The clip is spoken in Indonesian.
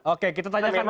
oke kita tanyakan ke